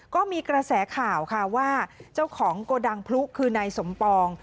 ก็มีกระแสข่าวค่ะว่าเจ้าของโกดังพลุคือนายสมปอง